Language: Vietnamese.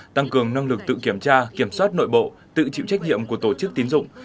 tăng cường năng lực tự kiểm tra kiểm soát nội bộ tự chịu trách nhiệm của tổ chức tín dụng